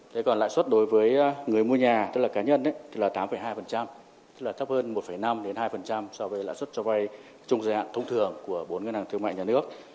thế còn lãi suất đối với người mua nhà tức là cá nhân thì là tám hai tức là thấp hơn một năm hai so với lãi suất cho vay chung giải hạn thông thường của bốn ngân hàng thương mại nhà nước